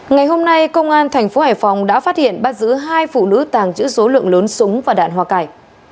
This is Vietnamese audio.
ngày hôm nay công an thành phố hải phòng đã phát hiện bắt giữ hai phụ nữ tàng trữ số lượng lớn súng và đạn hoa cải